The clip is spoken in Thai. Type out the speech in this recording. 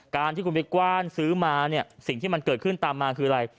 การที่คุณไปกว้านซื้อมาเนี่ยสิ่งที่มันเกิดขึ้นตามมาคืออะไร